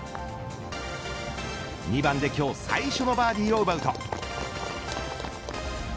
２番で今日最初のバーディーを奪うと。